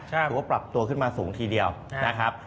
ถือว่าปรับตัวขึ้นมาสูงทีเดียวนะครับ